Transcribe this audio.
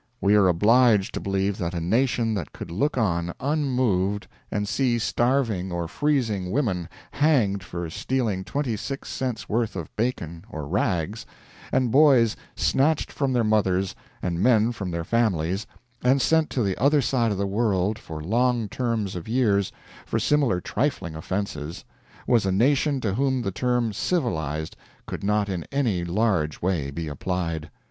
We are obliged to believe that a nation that could look on, unmoved, and see starving or freezing women hanged for stealing twenty six cents' worth of bacon or rags, and boys snatched from their mothers, and men from their families, and sent to the other side of the world for long terms of years for similar trifling offenses, was a nation to whom the term "civilized" could not in any large way be applied.